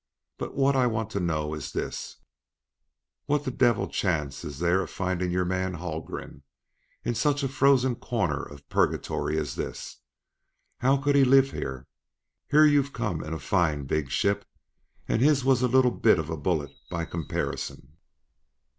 But what I want to know is this: "What the divil chance is there of findin' your man, Haldgren, in such a frozen corner of purgatory as this? How could he live here? Here you've come in a fine, big ship, and his was a little bit of a bullet by comparison.